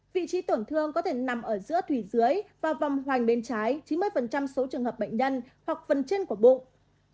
vị trí tổn thương có thể nằm ở giữa thủy dưới và vòng hoành bên trái chín mươi số trường hợp bệnh nhân hoặc phần chân của bụng